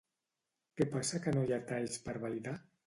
Què passa que no hi ha talls per validar?